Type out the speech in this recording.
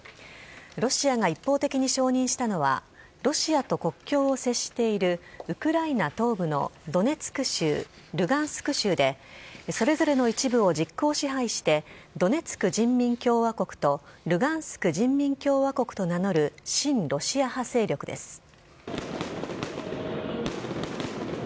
ロシアが一方的に承認したのは、ロシアと国境を接しているウクライナ東部のドネツク州、ルガンスク州で、それぞれの一部を実効支配して、ドネツク人民共和国とルガンスク人民共和国と名乗る親ロシア派勢力です。